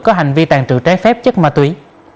có hành vi tàn trự trái phép chất ma túy